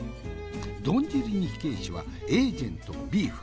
どん尻に控えしはエージェントビーフ。